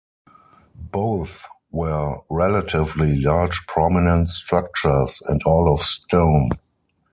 Both were relatively large prominent structures, and all of stone.